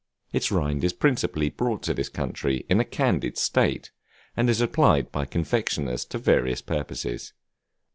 Its rind is principally brought to this country in a candied state, and is applied by confectioners to various purposes.